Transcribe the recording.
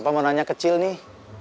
papa mau nanya kecil nih